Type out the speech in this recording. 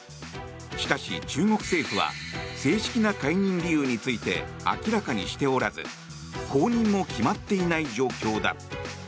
しかし、中国政府は正式な解任理由について明らかにしておらず後任も決まっていない状況だ。